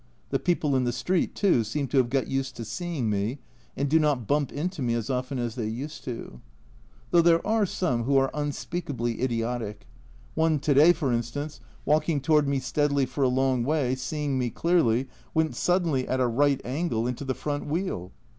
The people in the street, too, seem to have got used to seeing me, and do not bump into me as often as they used to ! Though there are some who are unspeakably idiotic ; one to day, for instance, walking toward me steadily for a long way, seeing me clearly, went suddenly at a right angle into the front wheel.